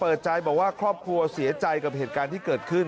เปิดใจบอกว่าครอบครัวเสียใจกับเหตุการณ์ที่เกิดขึ้น